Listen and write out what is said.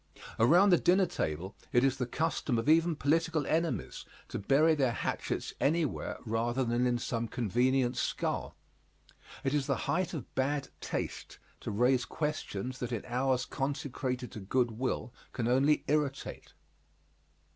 Around the dinner table it is the custom of even political enemies to bury their hatchets anywhere rather than in some convenient skull. It is the height of bad taste to raise questions that in hours consecrated to good will can only irritate.